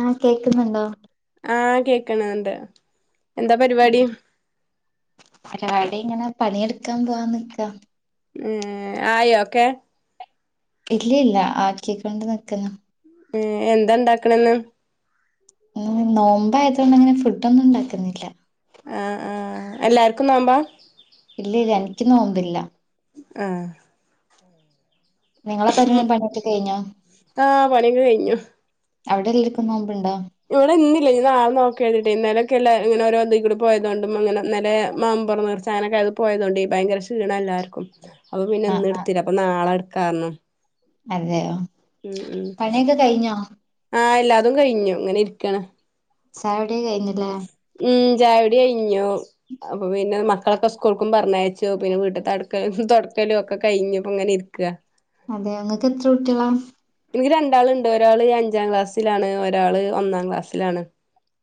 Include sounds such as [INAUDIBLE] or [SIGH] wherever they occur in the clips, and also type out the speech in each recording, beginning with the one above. ആ കേക്കുന്നുണ്ടോ ആഹ കേക്കണുണ്ട് [UNINTELLIGIBLE] ഇങ്ങനെ പണിയെടുക്കാൻ പോവാൻ നിക്ക ഉം ആയൊ ഒക്കെ ഇല്ലില്ല ആക്കിക്കൊണ്ട് നിക്കന്നു ഉം എന്താ ഇണ്ടാക്കണെന്ന് നോമ്പ ആയതോണ്ട് അങ്ങനെ ഫുഡൊന്നും ഇണ്ടാക്കുന്നില്ല ആഹ് ആഹ് എല്ലാർക്കും നോമ്പാ ഇല്ല ഇല്ല അൻക്ക് നോമ്പ് ഇല്ല ആഹ് നിങ്ങളെ പെരെലും പണ്യൊക്കെ ആഹ് പണിയൊക്കെ കഴിഞ്ഞോഅവിടെല്ലാ [UNINTELLIGIBLE] ക്കും നോമ്പ് ഇണ്ടോ ഇവ്ടെ ഇന്നില്ലേനി ഇഞ്ഞ് നാളെ നോക്ക എഴതിട്ടേ ഇന്നലൊക്കെ ഇല്ലെ ഇങ്ങനെ ഓരോത് ക്കൂടെ പോയതോണ്ടും ഇന്നെലെ മ്പുറം നേർച്ച അനൊക്കെ അത് പോയതോണ്ടെ ഭയങ്കര ക്ഷീണ എല്ലർക്കും അപ്പൊ പിന്നെ ആഹ് ഇന്ന് ഇട്ത്തില അപ്പൊ നാളെ ഇട്ക്കാറ്ന്നു അതെയോ പണിയൊക്കെ കഴിഞ്ഞോ അതും കഴിഞ്ഞു ഇങ്ങനെ ഇര്ക്കാണ് ചായൊടി കഴ്ഞ്ഞ് ലെ ചായൊട്യയ്ഞ്ഞു അപ്പൊ പിന്നെ മക്ക് മക്കളൊക്കെ സ്കൂൾക്കും പറഞ്ഞയച്ചു. പിന്നെ വീട്ട്ത്തെ അടുക്കളെ തൊട്ക്കലു ഒക്കെ കഴിഞു ഇപ്പോ ഇങ്ങനെ ഇരിക്ക. അതെ ഇങ്ങക്ക് എത്ര കുട്ട്യേള ഒരാളുണ്ട് ഒരാള് അഞ്ചാം ക്ലാസ്സിലാണ്. ഒരാള് ഒന്നാം ക്ലാസ്സിലാണ്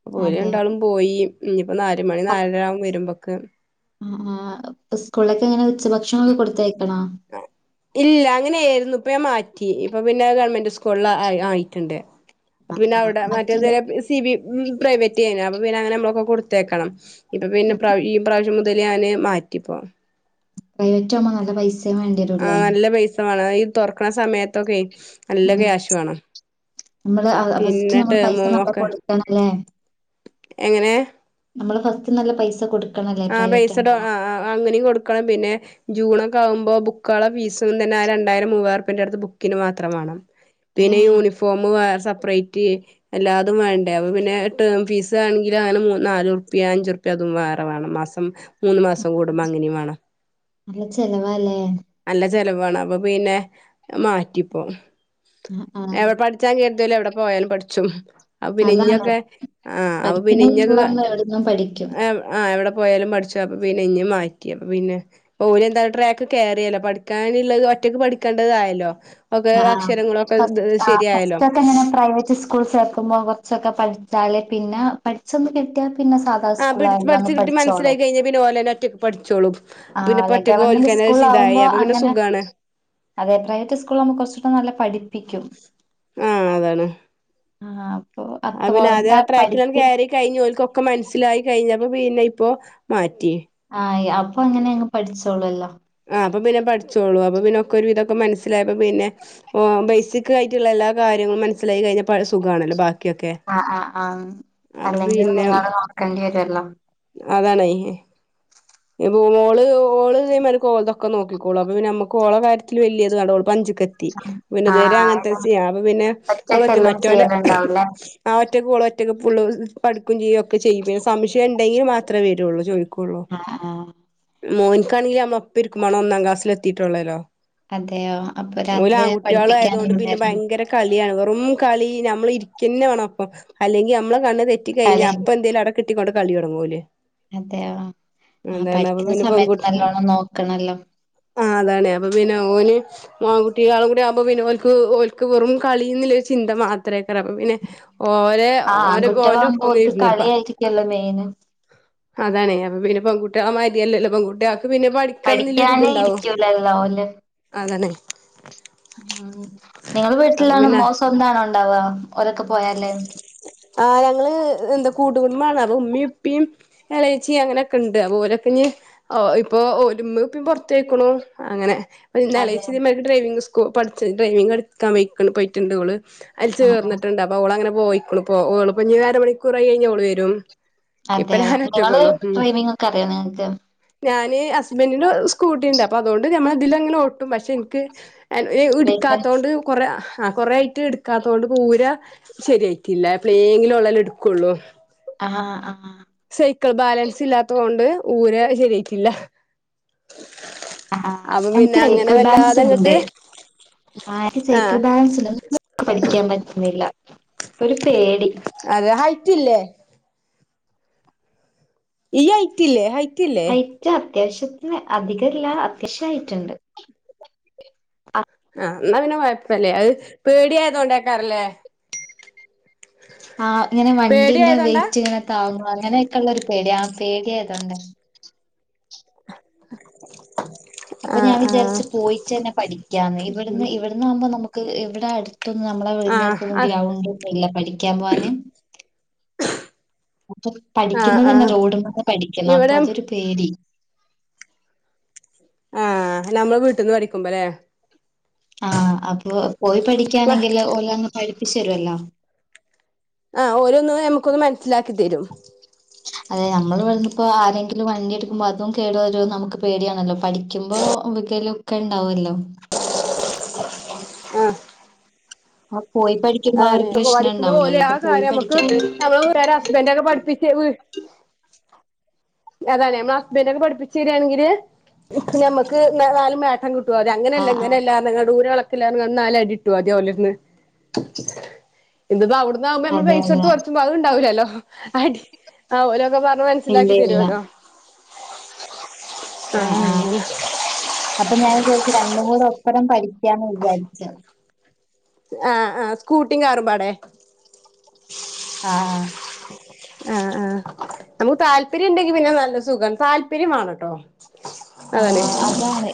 അപ ഓര് അതെയോ രണ്ടാളും പോയി. ഇഞ്ഞ്പ്പോ നാല് മണി നാലര ആവു വരുമ്പക്ക് ആഹ് സ്കൂളൊക്കെ എങ്ങനെ ഉച്ച ഭക്ഷണൊക്കെ കൊടുത്തയക്കണൊ ഇപ്പ ഞാൻ മാറ്റി. ഇപ്പൊ പിന്നെ ഗവൺമെന്റ് സ്കൂളില് ആയിറ്റ്ണ്ട് അപ്പ ആഹ് പിന്നെ ആഹ് ഔടെ മറ്റേ മറ്റേതെരെ സി ബി പ്രൈവറ്റ് ഏയ്യ്നു അപ്പ പിന്നെ അങ്ങനെ നമ്മളൊക്കെ കൊടുത്തയക്കണം ഇപ്പൊ പിന്നെ പ്രാവ ഈ പ്രാവശ്യം മുതലേ ഞാന് മാറ്റിപ്പോ പ്രൈവറ്റ് ആവുമ്പ നല്ല പൈസയും വേണ്ട്യേ രൂല്ലേ മാണം. ഈ തൊറക്ക്ണ സമയത്തൊക്കെ നല്ല ഉം ക്യാശ് വേണം. നമ്മള് ഫസ്റ്റ് പിന്നെ നമ്മള് പൈസ ടേമോ നല്ല മൊക്കെ കൊടുക്കണല്ലേ എങ്ങനെ നമ്മള് ഫസ്റ്റ് നല്ല പൈസ കൊടു ആഹ് ബെയ്‌സ്ഡ് ആ ആ അങ്ങനെയും കൊടുക്കണം പിന്നെ ജൂണൊ ക്കെ ആവുമ്പോ ബുക്കുകള് ഫീസ് തന്നെ രണ്ടായിരം മൂവായിരം റുപ്പിയെന്റെ അടുത്ത് ബുക്കിന് മാത്രം വേണം പിന്നെ ഏഹ് യൂണിഫോമ് സെപ്പറേറ്റ് എല്ലാതും വേണ്ടേ അപ്പോ പിന്നെ ടേം ഫീസ് ആണെങ്കി നാലും മൂന്നും നാല് റുപ്യയാ അഞ്ച് റുപ്യയാ അതും വേറെ വേണം മാസം മൂന്ന് മാസം കൂടുമ്പോ അങ്ങനെയും വേണം നല്ല ചെലവാല്ലേ ചിലവാണ് അപ്പൊ പിന്നെ മാറ്റിയിപ്പോ ആഹ് ആഹ് എവിടെ പഠിച്ചാ കേ രളത്തിൽ എവിടെ പോയാലും പഠിച്ചും അപ്പോ പിന്നെ അതാണ് ഇനിയൊക്കെ ആ അപ്പ പിന്നെ പഠിക്കുന്ന ഇനിയൊക്കെ കുട്ടികളാകുമ്പോ എവിടുന്നും പഠിക്കും ആ ആ ഇവിടെ പോയാലും പഠിച്ചു അപ്പ പിന്നെ ഇനി മാറ്റി അപ്പ പിന്നെ ഇപ്പോ ഓല് എന്താലും ട്രാക്കൊക്കെ [UNINTELLIGIBLE] [UNINTELLIGIBLE] പഠിക്കാനുള്ളത് ഒറ്റക്ക് പഠിക്കേണ്ടതായല്ലോ ഒക്കെ ആഹ് അക്ഷരങ്ങളൊക്കെ ഫസ്റ്റ് ശരിയായല്ലോ ഫസ്റ്റ് ഒക്കെ അങ്ങനെ പ്രൈവറ്റ് സ്കൂളിൽ ചേർക്കുമ്പോൾ കുറച്ചൊക്കെ പഠിച്ചാലേ പിന്നെ പഠിച്ചൊന്ന് കിട്ടിയാ പിന്നെ സാദാ ആഹ് സ്കൂൾ പിടി ആയാലും അങ്ങ് പഠിച്ച് കിട്ടി മനസ്സിലായി പഠിച്ചോളും കഴിഞ്ഞാ പിന്നെ ഓലന്നെ ഒറ്റക്ക് പഠിച്ചോളും ആ പിന്നെ ഇപ്പ ഒറ്റക്ക് ഗവൺമെന്റ് ഓൽക്കന്നെ ഇതായി സ്കൂളാകുമ്പോ അപ്പൊ പിന്നെ അങ്ങനെ സുഖാണ് അതെ പ്രൈവറ്റ് സ്കൂളാകുമ്പം കുറച്ചൂടെ നല്ല പഠി ആഹ് അതാണ് ആഹ് ആ അത്ര പിന്നെ അത് എന്താ ആ ട്രാക്കിലങ്ങ് പഠിപ്പ് കേറി കഴിഞ്ഞ് ഓൽക്കൊക്കെ മനസ്സിലായി കഴിഞ്ഞ പ്പോ പിന്നെ ഇപ്പൊ മാറ്റി ആഹ് അപ്പൊ അങ്ങനെ അങ്ങ് പഠിച്ചോളൂല്ലോ ആ അപ്പൊ പിന്നെ പഠിച്ചോളും അപ്പ പിന്നെക്കെ ഒരു വിധമൊക്കെ മനസിലായപ്പോ പിന്നെ ബേസിക് ആയിട്ടുള്ള എല്ലാ കാര്യ ങ്ങള് മനസിലായി കഴിഞ്ഞപ്പോ സുഖണല്ലോ ബാക്കി ആ ആ ആ അല്ലെങ്കിൽ പിന്നെ നിങ്ങൾ നോക്കേണ്ടി വരൂല്ലോ അതാണേ പൂമോള് ഓള് ഇതേ മാതിരി ഓൾതൊക്കെ നോക്കിക്കോളും അപ്പ പിന്നേ നമുക്ക് ഓളുടെ കാര്യത്തിൽ വല്ല്യ ഇത് വേണ്ട ഓള് [UNINTELLIGIBLE] ക്കെത്തി പിന്നെ ഇത് വരെ അങ്ങനത്തെ ആഹ് ചെയ്യ അപ്പൊ പിന്നെ ഓള് ഒറ്റ ഒറ്റക്കെല്ലാം മറ്റൊന്റെ ചെയ്യലുണ്ടാവൂലേ ആ ഒ റ്റക്ക് ഓള് ഒറ്റക്ക് ഫുള്ള് ഉം പഠിക്കും ചെയ്യും ഒക്കെ ചെയ്യും പിന്നെ സംശയണ്ടെങ്കി മാത്രേ വെരോള്ളൂ ചോയി ആഹ് ആഹ് മോന്ക്കാണെങ്കി അമ്മള് ഒപ്പം ഇരിക്കും മാണം ഒന്നാം ക്ലാസ്സില് എത്തിയിട്ടേ ഇള്ളേലോ അതെയോ അപ്പൊ ഓല് രാത്രി ആൺകുട്ട്യാളായത് കൊണ്ട് പിന്നെ പഠിപ്പിക്കാനിരുന്നായിരുന്നു ഭയങ്കര കളിയാ വെ റും കളി ഞമ്മള് ഇരിക്കെന്നെ വേണം ഒപ്പം അല്ലെങ്കി അമ്മളെ കണ്ണ് തെറ്റിക്കഴിഞ്ഞാ അപ്പൊ എന്തേലും ആടെ കിട്ടിക്കൊണ്ട് കളി തൊടങ്ങോല് അതേയൊ ആഹ് പഠിക്കിന്ന പിന്നെ സമയത്ത് പെൺകുട്ടി നല്ലോണം നോക്കണല്ലോ ആഹ് അതാണ് അപ്പൊ പിന്നെ ഓന് ആൺകുട്ടികളൂടി ആവുമ്പ പിന്നെ ഓൽക്ക് ഓൽക്ക് വെറും കളീന്നില്ലെ ചിന്ത മാ ത്രേക്കാരം അപ്പ പിന്നെ ഓരെ ആഹ് ഓന്റെ ആൺകുട്ടികളാകുമ്പോ ഓന്റൊപ്പം ഇങ്ങെ ഓൽക്ക് ഇരുന്നൊട്ക്കാ കളിയായിരിക്കല്ലോ മെയിന് അതാണെ അപ്പൊ പിന്നെ പെൺകുട്ട്യാളെ മാര്യയല്ലല്ലോ പെൺകുട്ട്യാ ക്ക് പിന്നെ പഠിക്കണംന്ന്ല്ല ഒരു പഠിക്കാന് ഇത്ണ്ടാവു ഇരിക്കൂലല്ലോ ഓല് അതാണെ ഉം നിങ്ങള് അപ്പൊ വീട്ട്ലാണോ പിന്നെ മോൻ സ്വന്താണോ ഇണ്ടാവാ ആഹ് ഞങ്ങള് എന്താ കൂ ട്ട് കുടുംബാണ് അപ്പോ ഇമ്മിം ഇപ്പിം എളേച്ചി അങ്ങനെക്കെണ്ട് അപ്പൊ ഓലൊക്കഞ്ഞ് ഓഹ് ഇപ്പോ ഓലും ഇമ്മിം ഉപ്പിം പൊറ്ത്തോയ്ക്ക്ണു അങ്ങനെ [UNINTELLIGIBLE] അതെയോ ഇന്നളേച്ചി [UNINTELLIGIBLE] ഡ്രൈവിംഗ് സ്കു പഠ്ച്ച് ഡ്രൈവിംഗ് ഇട്ക്കാൻ പോയിക്ക്ണ് പോയിട്ട്ണ്ട് ഓള് അയില് ആഹ് ആഹ് ചേർന്ന്ട്ട്ണ്ട് അപ്പൊ ഓളങ്ങനെ പോയിക്ക്ണു ഇപ്പോ ഓള്പ്പഞ്ഞ് അര മണിക്കൂറായി കഴിഞ്ഞാ ഓള് വരും ഇപ്പൊ അതെയോ ഞാൻ നിങ്ങള് ഒറ്റക്കൊള്ളു ഉം ഡ്രൈവിംങ്ങൊക്കെ അറിയോ നിങ്ങക്ക് ഞാന് ഹസ്ബന്റിന്റെ സ്കൂട്ടിണ്ട് അപ്പൊ അതുകൊണ്ട് ഞമ്മളെ ഇതിലെങ്ങനെ ഓട്ടും പക്ഷേ ഇന്ക്ക് ഏഹ് ഈ ലൈസൻസ് ഇട്ക്കാത്തോണ്ട് കൊറേ ആഹ് കൊറേ ആയിട്ട് ഇട്ക്കാത്തോണ്ട്പ്പ ഊര ശരിയായിട്ടില്ല എപ്പളേങ്കിലു ഉള്ളേലോ ഇട്ക്കോള്ളൂ ആഹ് ആഹ് സൈക്കിൾ ബാലൻസ് ഇല്ലാത്ത കൊണ്ട് ഊര ശരിയായിട്ടില്ല ആഹ് അപ്പൊ എന്ക്ക് പിന്നെ അങ്ങനെ സൈക്കിൾ വല്ലാതെ അങ്ങട്ട് ബാലൻസ്ണ്ട് [UNINTELLIGIBLE] സൈക്കിൾ ആഹ് [UNINTELLIGIBLE] പഠിക്കാൻ പറ്റുന്നില്ല, ഒരു പേടി. അതെ ഹൈറ്റ്ല്ലേ? ഈ ഹൈറ്റ് ഇല്ലേ ഹൈ ഹൈറ്റാ അത്യാവശ്യത്തിന് അധികല്ല അത്യാവശ്യ ഹൈറ്റ് ഉണ്ട്, ആ ആഹ് എന്നാ പിനെ കൊഴപ്പല്ലേ അത് പേടിയായതോണ്ടേക്കാറല്ലേ. ആഹ് ഇങ്ങനെ വണ്ടീന്റെ വെയ്റ്റ് ഇങ്ങനെ താങ്ങാ അങ്ങനെയൊക്കെള്ള ഒരു പേടി ആ പേടി ആയതോണ്ട്. അപ്പ ഞാൻ ആഹ് ആഹ് വിചാരിച്ച് പോയിട്ട്ന്നെ പഠിക്കാന്ന് ഇവിടുന്ന് ഇവിട്ന്ന് ആവുമ്പോ നമുക്ക് ഇവിടെ അട് ത്തൊന്നും നമ്മളെ ആഹ് വീടിന്റാടുത്തൊന്നും ആഹ് ഗ്രൗണ്ട് ഒന്നും ഇല്ല പഠിക്കാൻ പോവാനാന്. അപ്പ ആഹ് പഠിക്കുന്നതന്നെ ആഹ് റോഡ് വന്ന് പഠിക്കണം, അപ്പ ഇവിടെ അതൊരു പേടി. നമ്മളെ വീട്ട്ന്ന് പഠിക്കുമ്പോ അല്ലേ. ആഹ് അപ്പോ പോയി പഠിക്കാണെങ്കില് ഓലന്ന് പഠിപ്പിച്ച് തരുവല്ലോ. ആഹ് ഓലോന്ന് നമുക്കൊന്ന് മനസ്സിലാക്കി തരും. അതെ നമ്മള് വന്നപ്പോ ആ രെങ്കിലും വണ്ടി എടുക്കുമ്പോ അതും കേട് വരുന്നു നമുക്ക് പേടിയാണല്ലോ പഠിക്കുമ്പോ വികല് ഒക്കെ ഇണ്ടാവല്ലോ. ആഹ് ആ പോയി പഠിക്കുന്ന ആ അതാണ് ഒരു പഠിക്കുമ്പോ ഓല് പ്രശ്നംണ്ടാവൂലല്ലോ ആ അപ്പ പോയി കാര്യം നമുക്ക് പഠിക്കാ നമ്മളെ വീട്ടാരെ ഹസ്ബൻഡ് ഒക്കെ പഠിപ്പിച്ച് അതാണ് നമ്മള ഹസ്ബൻഡ് ഒക്കെ പഠിപ്പിച്ച് തരിയാണെങ്കില് ഞമ്മക്ക് നാ നാല് [UNINTELLIGIBLE] ട്ടു ഒര അങ്ങനല്ല ആഹ് ആഹ് ഇങ്ങനല്ല പറഞ്ഞ് നിങ്ങള് ദൂര അള ട്ടില്ല പറഞ്ഞ് [UNINTELLIGIBLE] അടി കിട്ടു ആദ്യ ഓലട്ത്ത്ന്ന്, ഇന്ന് ഇപ്പ അവ്ട് ന്നാവുമ്പ നമ്മള് അതെ പൈസ അതെ കൊടുത്ത് കൊറച്ചുമ്പോ അതും ഉണ്ടാവില്ലല്ലോ അടി ആഹ് ഓലൊക്കെ പറഞ്ഞ് മനസിലാ ഇല്ല വെരു ഇല്ല വാല്ലോ ആഹ് ആഹ് അപ്പം ഞാൻ ചോയിച്ച് രണ്ടുമൂന്ന് ഉത്തരം പഠി ക്കാന്ന് വിചാരിച്ചു കുട്ടിങ്റുപടെ ആഹഹാ ആഹ് ആഹ് നമുക്ക് താല്പര്യം ഉണ്ടെങ്കി പിന്നെ നല്ല സുഖം താല്പര്യംവെണ്ണട്ടോ ആഹ് അതാണ്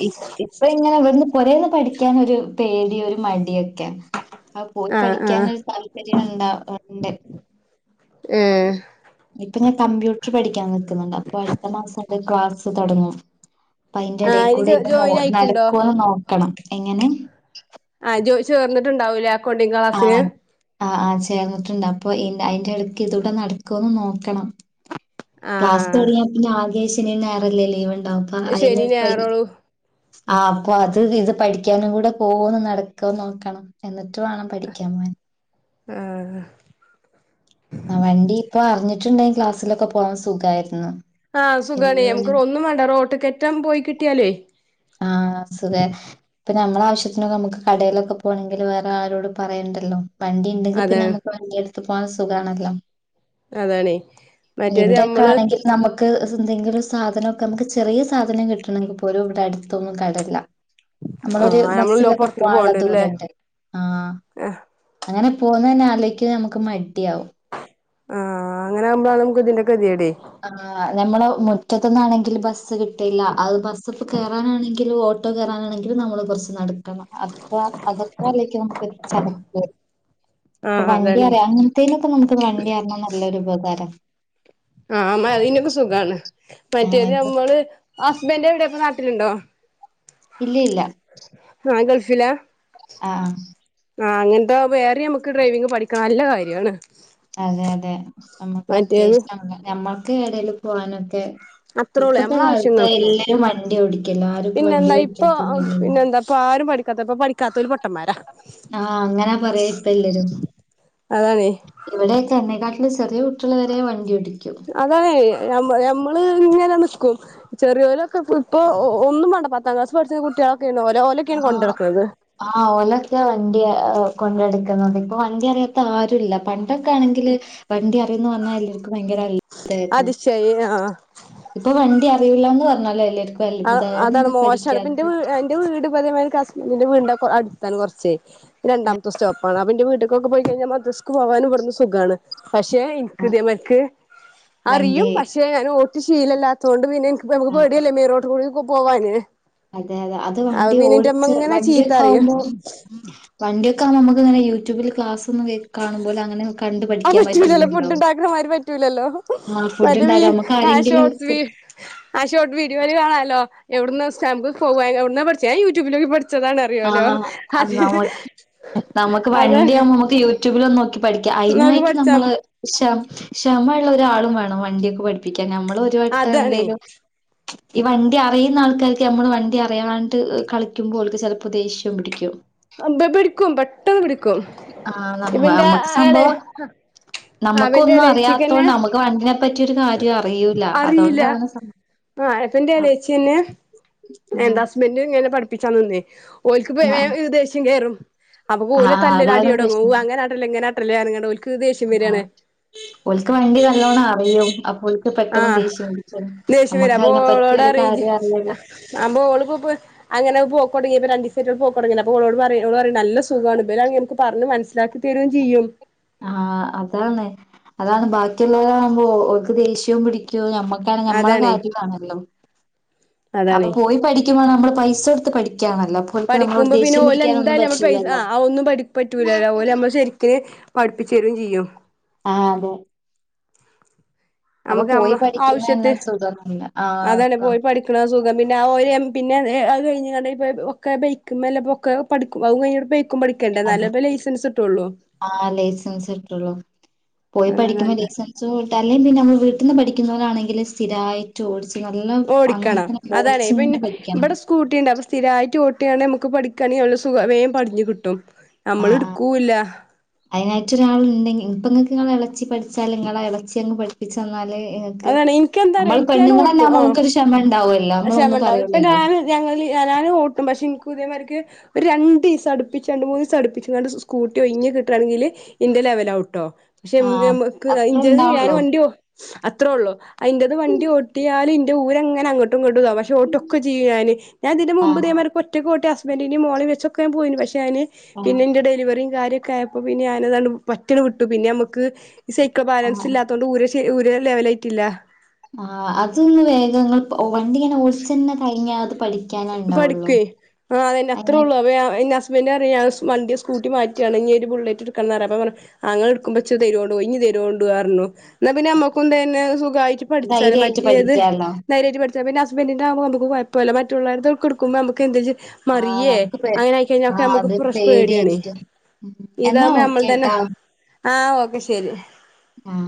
ഇപ്പ ഇങ്ങനെ ഇവിടുന്ന് കൊറഓക്കെ പഠിക്കാൻ ഒരു പേടി ഒരു മടിയൊക്കെആണ് ആഹ് പോയി പഠിക്കാനൊരു സാഹചര്യം ഉണ്ട ഉണ്ട് ഏഹ് പിന്നെ കമ്പ്യൂട്ടർ പഠിക്കാൻ നൊക്കുന്നുണ്ട് അപ്പൊ അടുത്ത മാസം അത് ക്ലാസ്സ് തുടങ്ങും അപ്പ അയിന്റെ ആഹ് ഇനി എടയിക്കൂടെ ഇത് നൊ ജോയിൻ ആയിട്ടുണ്ടോ നടക്കുവോന്ന് നോക്കണം എങ്ങനെ ആഹ് ജോയി ചേർന്നിട്ടുണ്ടാവൂലേ അക്കൗണ്ടിം‌ങ്‌ ക്ലാസ്സിന് ആഹ് ആഹ് ചേർന്നിട്ടുണ്ട് അപ്പൊ അയിന്റെ ഇടയ്ക്ക് ഇതൂടെ നടക്കുവൊന്ന് നോക്കണം ക്ലാസ് ആഹ് തുടാങ്ങിയാ പിന്നെ ആകേ ശനി ഞങ്ങറാല്ലേ ലീവ് ഉണ്ടാവും അപ്പ അയിന്ന് ശനി ഞായറോളു ആഹ് അപ്പൊ അത് ഇത് പഠിക്കാനും കൂടെ പോവൊന്ന് നടകൊന്ന് നോക്കണം എന്നിട്ട് വേണം പഠിക്കാൻ പോവൻ ആഹ് ച്ചുട്ടുണ്ടെ ക്ലാസിലൊക്കെ പോവാൻ സുഖയിരുന്നു ആ സുഖണേ ഞമക്ക്റ് ഒന്നും വേണ്ട റോട്ട് കറ്റാൻ പോയി കിട്ടിയാലേ ആഹ് സുഖ ഇപ്പ നമ്മള വിശാത്തിന് ഒക്കെ നമുക്ക് കടയിലൊക്കെ പോണെങ്കിൽ വേറെ ആരോട് പറയണ്ടല്ലോ വണ്ടി ഉണ്ടെങ്കി പിന്നെ അതാണ് നമുക്ക് വണ്ടി എടുത്തു പോൻ സുഖമാണല്ലോ അതാണേ മറ്റേത് ഇവിടെക്കെ നമ്മള് ആണെങ്കി നമു ക്ക് എന്തെങ്കിലും സാധന ഒക്കെ നമുക്ക് ചെറിയ സാധനം കിട്ടണെങ്കിൽ പോലും ഇവിടെ അടുത്തൊന്നും കടഇല്ല നമ്മളൊരു ആഹ് നമ്മള് ബസിലൊക്കെ പൊറത്തേക്ക് പോവാഉള്ള പോകണ്ടല്ലേ ദൂരട്ട് ആഹ് ആഹ് അങ്ങനെ പോന്നനെ അലോയിക്ക് നമുക്ക് മടിയവും ആഹ് അങ്ങനെ ആക്പഴാണ് നമുക്ക് ഇതിന്റെ ഗതികേട് ആഹ നമ്മുടെ മുറ്റത്തുന്നാണെങ്കിൽ ബസ്സ് കിട്ടയില്ല അത് ബസ്സിപ്പ കേറാനാണെങ്കിലും ഓട്ടോ കേറാനാണെങ്കിലും നമ്മള് കുറച്ച് നടക്കണം അപ്പം അതൊക്കെ ആലോചിക്കുമ്പോ നമുക്കൊരു സങ്കടം വരും അപ്പൊ ആഹ് വണ്ടി അതാണ് അറിയ അങ്ങനത്തേനൊക്കെ നമുക്ക് വണ്ടി അറഞ്ഞാ നല്ലൊരുപകാരം ആഹ് അമ്മ അതിനൊക്കെ സുഖാണ് ആഹ് മറ്റേത് ഇപ്പൊ നമ്മള് ഹസ്ന്റ്‌ എവിടെയൊക്കെ ക്കെയുണ്ടോ ഇല്ല ഇല്ല രുവില്ല ആഹ് ആഹ് ആഹ് അങ്ങനത്തെ വേറെ മുക്ക് ഡ്രൈവിംഗ് പഠിക്ക നല്ല കാര്യാണ് അതെ അതെ നമ്മുക്ക് മറ്റേത് അത്യാവശ്യം നമ്മളെ ഞമ്മൾക്ക് എടേലും പോകാനൊക്കെ അത്രേ ഉള്ളൂ ഇപ്പത്തെ നമ്മളെ കാലത്ത് ആവശ്യങ്ങൾക്ക് എല്ലാരും വണ്ടി ഓടിക്കല്ലോ ആരും ഇപ്പോ വണ്ടി പിന്നെന്താ പഠിക്കാത്തോരൊന്നും ഇല്ലല്ലോ ഇക്കാത്തപ്പം പിഠിക്കാത്തൊര് പൊട്ടമാരാ ആഹ് അങ്ങനാ പറയാ ഇപ്പ എല്ലാരും അതാണേ ഇവിടെയൊക്കെ എന്നേകാ ലും ചെറിയ കുട്ടികള് വരെ വണ്ടിയോടിക്കും അതാണ് [UNINTELLIGIBLE] ഞമ്മ ഞമ്മള് ഇങ്ങനെ നിൽക്കും ചെറിയോരൊക്കെ ഇപ്പ ഇപ്പൊ ഒ ഒന്നും വേണ്ട പത്താം ക്ലാസ് പഠിച്ച കുട്ടികളൊ ആഹ് ആഹ് ഓലക്കെ വണ്ടിയ കൊണ്ടടുക്കുന്നത് ഇപ്പൊ വണ്ടി അറിയാത്ത ആരുല്ല അപ്പം ഇതൊക്കെ ആണെങ്കില് വണ്ടി അറിയന്ന് വന്നാ എല്ലാവർക്കും ഭയങ്കര അത്ഭുതവാരുന്നു അതിശയി ആഹ് ഇപ്പൊ വണ്ടി അറിയൂല്ലന്ന് പറഞ്ഞാല എല്ലാരും ആ അതാണ് മോശമാണ് ഇപ്പ എന്റെ വി എന്റെ വീട് അപ്പൊ അതേമാതിരി കശ്മീരിന്റെ വീടിന്റെ കൊ അടുതാണ് കുറച്ചെ രണ്ടാമത്തെ സ്റ്റോപ്പാണ് അപ്പനിക്ക് വീട്ടിക്കൊക്കെ പോയിക്കഴിഞ്ഞാ മദ്ര സക്ക് പോവാനും ഇവിടന്ന് സുഖാണ് പക്ഷെ ആ എനിക്കിതിമക്ക് വണ്ടി അറിയും പക്ഷെ ഞാനോടിച്ച് ശീലല്ലാത്ത കൊണ്ട് പിന്നെ ഇപ്പ നമുക്ക് ആ പേടിയല്ലെ മെയ് റോട്ടി കൂടിക്കെ പോവാന് അതെ അതെ അത് വണ്ടി പിന്നെ ഇന്റെമ്മ ഓടിച്ച് ഇങ്ങനെ വണ്ടിയൊക്കെ ചീത്തറിയും ആവുമ്പോ വണ്ടി ഒക്കെ ആവുമ്പോ അമ്മക്ക് അങ്ങനെ യൂട്യൂബില് ക്ലാസ് കാണുംപോലെ അങ്ങനെ കണ്ട് അത് പഠിക്ക്യാൻ പറ്റൂലല്ലോ പറ്റൂലല്ലൊ ഫുഡ് ഉണ്ടാക്കണമാതിരി പറ്റൂലല്ലോ മറ്റേ വീ നമക്ക് ആ ആരെങ്കിലും ഷോർട്സ് വീ ആ ഷോട്ട് വീഡിയോല് കാണാലോ. എവിട്ന്ന് സ് [UNINTELLIGIBLE] സ്റ്റാമ്പ് പോവാ [UNINTELLIGIBLE] എവിന്ന് പഠിച്ചെ ഞാൻ യൂട്യൂബിലൊക്കെ പഠിച്ചു ആഹ് നമക്ക് അതെ വണ്ടി ആവുമ്പോ നമക്ക് യൂ യട്യൂബിലൊന്ന് നോക്കി പഠിക്ക നോക്കി അതിനായിട്ട് പഠിച്ചാ നമ്മള് ക്ഷമ ഒരാളും വേണം വണ്ടിയൊക്കെ പഠിപ്പിക്കാൻ നമ്മൾ ഒരു വട്ടം അതാണേ എന്തേലും ഈ വണ്ടി അറിയുന്ന ആൾക്കാർക്ക് നമ്മള് വണ്ടി അറിയാണ്ട് കളിക്കുമ്പോ ഓല്ക്ക് ചെല്പ് ഇപ്പ ദേഷ്യം പിടിക്കും അമ്പെ പിടിക്കും പെട്ടെന്ന് പിടിക്കും ആഹ് നമ്മ ഇവന്റെ നമ്മക്ക് ആളെ സംഭവം ആ നമുക്കൊന്നും അറിയാത്തോണ്ട് നമക്ക് വണ്ടിനെ പറ്റി ഒരു കാര്യം അറിയൂല അറില്ല. അതുകൊണ്ടാണ് സംഭവം ആഹ് ആഹ്പ്പന്റെ എലേച്ച്യന്നെ എ ഉം ഇന്റബന്ഡ് ഇങ്ങനെ പഠിപ്പിച്ചാ നിന്നേ ഓല്ക്ക് വേ ആഹ് ദേഷ്യം കേറും അപ്പൊ പോലെ ആഹ് തല്ലല് അടി അതാണ് യൊടങ്ങും. പ്രശ്നം അങ്ങനെ ആട്ടെല്ലേ ഇങ്ങനെ ആട്ടല്ലേ അറ്ങ്ങാണ്ട് ഓല്ക്ക് ദേശ്യം വര്യാണ് ഓല്ക്ക് വാണ്ട്യെത് നല്ലോണം അറിയും അപ്പോല് ആഹ് ദേഷ്യം വെര അതിനെ പറ്റി അപ്പോഓളോട് ഒരു അറിം കാര്യം അറിയൂല ആഹ് ബോള് അങ്ങനെ പോക്കോൺ രണ്ടിസായിറ്റ് പോക്കൊടങ്യലെ അപ്പം ഓളോട് നല്ല സുഖാണ്. ഇബെലാണെങ്കി മക്ക് പറ്ഞ്ഞ് മൻസിലാക്കി തരൊയും ചെയ്യും ആഹ് അതാണ് അതാണ് ബാക്കിയുള്ളവരാവുമ്പോ ഓല്ക്ക് ദേഷ്യം പിടിക്കും ഞമ്മ ക്കാണ് ഞമ്മളെ അതാണ് കാര്യ ഇതാണല്ലോ അപ്പൊ അതാണ് പോയി പഠിക്കുമ്പ നമ്മള് പൈസ എടുത്ത് പഠിക്കാണല്ലൊ. അപ്പോല്ക്ക് നമ്മളോട് ദേഷ്യം പിടിക്കാനൊന്നും പറ്റ് ആഹ് ആഹ് ഒന്നും പഠി പറ്റൂലല്ലോ ഓല് നമ്മളെ ശരിക്ക്ന് പഠിപ്പിച്ച് തരൊയും ചെയ്യും ആഹ് അതെ അപ്പൊ നമുക്ക് പോയി നമ്മ പഠിക്കുന്ന തന്നെ ആവശ്യത്തി സുഖമല്ല ആ അതാണ് പോയി പഠിക്കണ സുഖമ- പിന്നെ ഓ പിന്നെ അത് കഴിഞ്ഞ ഒക്കെ ബക്കും അല്ലൊ ഒക്കെ പഠിക്കും അതും കഴിഞ്ഞ- ഒക്കെ ഉണ്ട് നല്ല പോലെ ലൈസൻസ് കിട്ടും ആഹ് ലൈസൻസ് കിട്ടുള്ളു പോയി അതാണ് പഠിക്കുമ്പോ നല്ലത് ലൈസെൻസ് കിട്ടുംയില്ലേൽ പിന്നെ നമ്മ വീ- പെട്ടെന്ന് പഠിക്കുന്ന പോലാണെങ്കില് സ്ഥിരട്ട ഓ- ഓടിക്കണം അതാണേ പിന്നെ പഠിക്കണം ഇവിടെ സ്കൂട്ടിയുണ്ട് അപ്പൊ സ്ഥിരമായിട്ട് ഓട്ടിക്കയാണേ - ക്ക് ആണേൽ സുഖാവ പഠിക്കണെങ്ക സുഖ വേഗം പടിഞ്ഞു കിട്ടും നമ്മള് എടുക്കുയില്ല അതിനായിട്ടൊ ഒരാളുണ്ടെങ്കിൽ ഇപ്പ നിങ്ങക്ക് ഇങ്ങളെ ഇളച്ചി പഠിച്ചാല് നിങ്ങളെ ഇളച്ചി അങ്ങ് പഠിച്ച് തന്നാല്- നിങ്ങക്ക് അതാണ് എനിക്കെന്താറിയോ നമ്മള് എനിക്ക് ഞാൻ പെണ്ണുങ്ങല്ലാം ഓട്ടും ആവുമ്പോ നമുക്ക് ഒരു ക്ഷമ ഉണ്ടാവല്ലേ ആ ക്ഷമണ്ടാവും ഇപ്പൊ ഞാന് ഞങ്ങള് ഞാന് ഓർക്കും പക്ഷെ എനിക്ക് ഇതേമാതി - എനക്ക് ഒരു രണ്ട് ദെവിസം അടുപ്പിച്ചണ്ട് മൂന്ന് ദെവസം അപ്പിച്ചണ്ട് സ്കൂട്ടി കയ്യി കിട്ടുകയാണെങ്കില് ഇന്റെ ലെവൽ- ട്ടോ പക്ഷെ ആ നമ്മക്ക് അത്ര ഇച [UNINTELLIGIBLE] ത് ഞാൻ ഉണ്ടാവുള്ളൂ വണ്ടിയോ അത്രേ ഉള്ളൂ അതിന്റത് വണ്ടി ഓട്ടിയാലും ഇന്റെ ഊര് അങ്ങനെ അങ്ങോട്ടും- പക്ഷ ട്ടൊക്ക ചെയ്യത് ഞാന് ഇതിന്റെ ആ മുൻപ് ഇതേമാതിരി ഒറ്റക്ക് ഓട്ടി ഹസ്ബന്റ്നെയും മോളേം വെച്ചൊക്ക പോയിനി പക്ഷെ- ക്കാന് ആ പിന്നെ എന്റെ ഡെലിവറിയും കാര്യൊക്കെ ആയപ്പോ പിന്നെ ഞാനതാണ് പറ്റണ വിട്ടു പിന്നെ നമുക്ക്- ഈ സൈക്കിള് ആ ആ ബാലൻസ് ഇല്ലാത്തൊണ്ട് കൂടുതല് ലെവല് ആയിട്ടില്ല ആ അതൊന്ന് വേഗം വണ്ടി ഇങ്ങനെ ഓടിച്ചു തന്നെ കഴിഞ്ഞ- പഠിക്കേ ആഹ് അതന്നെ അങ്ങനെ അത്രേയുള്ളൂ അവ- ഹസ്ബന്റ് പറയ്വ വണ്ടിയ സ്കൂട്ടി മാറ്റിയാണ് ഇനി ഒരു ബുള്ളറ്റ് എടുക്കാന്ന് പറഞ്ഞു അപ്പ ഞാൻ പറഞ്ഞു അങ്ങനെ എടുക്കുമ്പോൾ തരുവോണ്ടോയി ഇനി- എന്ന പിന്നെ നമ്മക്കെതന്നെ സുഖായിട്ട് പഠിച്ചാല ധൈര്യായിട്ട് മറ്റേത് പഠിക്കാലോ [UNINTELLIGIBLE] ചെലപ്പോ ഹസ്ബൻറ്റിന്റെ ആവുമ്പോ നമുക്ക് കൊഴപ്പമില്ല മറ്റുള്ളേരുടെ എടുക്കുമ്പോ നമുക്ക് എന്ത- ആഹ് മറിയേ നമുക്ക് പേ അങ്ങനെ ആയിക്കഴിഞ്ഞ ഒക്കെ ആഹ് നമുക്ക് അത് കൊറച്ച് പേടിയാണ് പേടിയായിരിക്കും. ഉം. എന്നാ ഇതാവകുമ്പ നമ്മള് തന്നെ ഓക്കേട്ടാ ആഹ് ഓക്കെ ശെരി ഉം